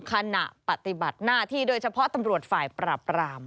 ขณะปฏิบัติหน้าที่โดยเฉพาะตำรวจฝ่ายปราบราม